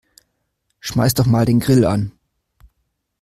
Schmeiß schon mal den Grill an.